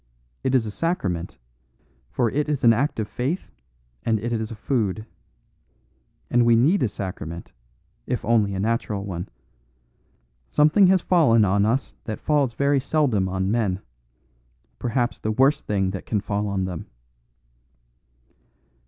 It is a sacrament; for it is an act of faith and it is a food. And we need a sacrament, if only a natural one. Something has fallen on us that falls very seldom on men; perhaps the worst thing that can fall on them."